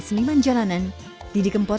seniman jalanan didi kempot